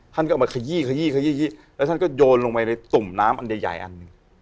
ท่านก็เอามาขยี้แล้วท่านก็โยนลงไปในตุ่มน้ำอันใหญ่อัน